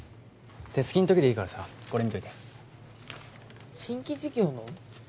手すきのときでいいからさこれ見といて新規事業の？